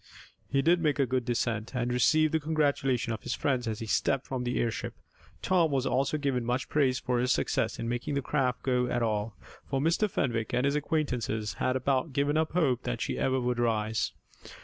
He did make a good descent, and received the congratulation of his friends as he stepped from the airship. Tom was also given much praise for his success in making the craft go at all, for Mr. Fenwick and his acquaintances had about given up hope that she ever would rise.